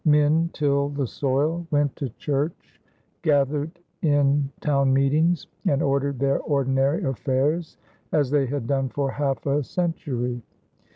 Men tilled the soil, went to church, gathered in town meetings, and ordered their ordinary affairs as they had done for half a century.